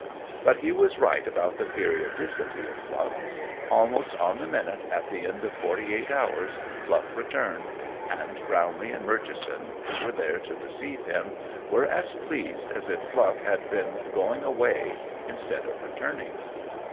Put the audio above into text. But he was right about the periodicity of Fluff. Almost on the minute at the end of forty eight hours Fluff returned, and Brownlee and Murchison, who were there to receive him, were as pleased as if Fluff had been going away instead of returning.